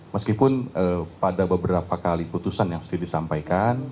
meskipun pada beberapa kali putusan yang sudah disampaikan